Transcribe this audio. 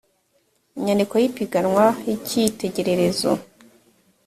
inyandiko y ipiganwa y icyitegererezo